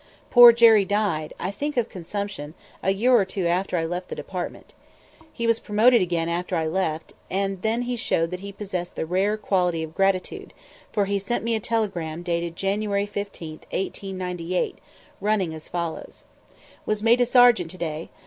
Poor Jerry died, I think of consumption, a year or two after I left the Department. He was promoted again after I left, and he then showed that he possessed the very rare quality of gratitude, for he sent me a telegram dated January 15, 1898, running as follows: "Was made sergeant to day.